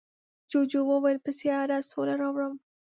جوجو وویل په سیاره سوله راولم.